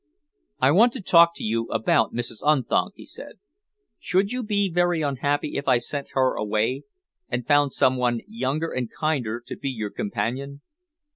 "I want to talk to you about Mrs. Unthank," he said. "Should you be very unhappy if I sent her away and found some one younger and kinder to be your companion?"